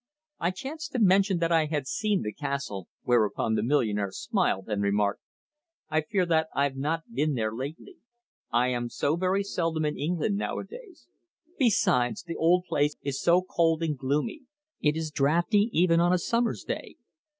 I chanced to mention that I had seen the castle, whereupon the millionaire smiled, and remarked: "I fear that I've not been there lately. I am so very seldom in England nowadays. Besides, the old place is so cold and gloomy. It is draughty even on a summer's day.